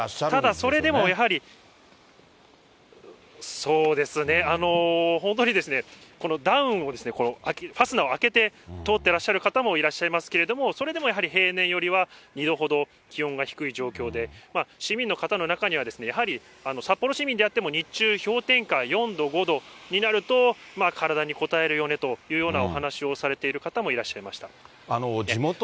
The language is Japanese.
それでもやはり、そうですね、本当にこのダウンを、ファスナーを開けて通ってらっしゃる方もいらっしゃいますけれども、それでもやはり平年よりは２度ほど気温が低い状況で、市民の方の中でもやはり、札幌市民であっても日中、氷点下４度、５度になると、体にこたえるよねとお話をされている方もいらっしゃいました。